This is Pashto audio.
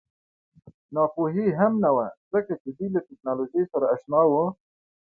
ناپوهي هم نه وه ځکه چې دوی له ټکنالوژۍ سره اشنا وو